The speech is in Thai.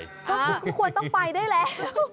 คุณก็ควรต้องไปได้แหละ